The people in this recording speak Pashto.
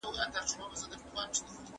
زه له بدو کارونو ځان ساتم چي عزت مي پاته سي.